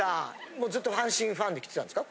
もうずっと阪神ファンできてたんですか？